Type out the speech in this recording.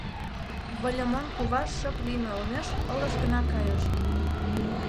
Выльымон кува шып лийме олмеш ылыж гына кайыш.